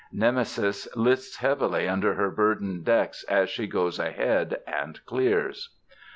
Nemesis lists heavily under her burdened decks as she goes ahead and clears.